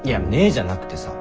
じゃなくてさ。